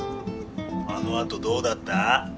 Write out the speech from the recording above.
あの後どうだった？